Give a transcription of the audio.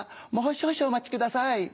もう少々お待ちください。